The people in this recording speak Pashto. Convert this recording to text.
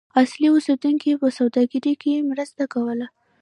اصلي اوسیدونکو په سوداګرۍ کې مرسته کوله.